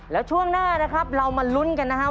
แล้วช่วงหน้านะครับเรามาลุ้นกันนะครับ